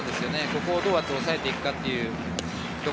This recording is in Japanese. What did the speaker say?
ここをどうやって抑えていくか。